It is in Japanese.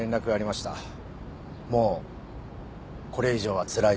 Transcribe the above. もうこれ以上はつらいと。